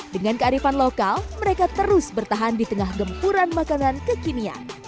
dengan kearifan lokal mereka terus bertahan di tengah gempuran makanan kekinian